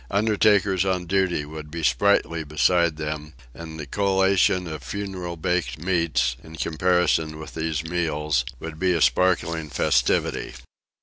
Undertakers on duty would be sprightly beside them; and a collation of funeral baked meats, in comparison with these meals, would be a sparkling festivity.